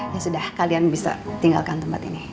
yang sudah kalian bisa tinggalkan tempat ini